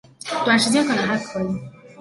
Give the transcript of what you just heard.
短时间可能还可以